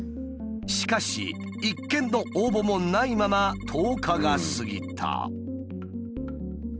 しかし１件の応募もないまま１０日が過ぎた。